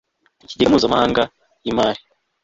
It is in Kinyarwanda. ikigega mpuzamahanga yi mari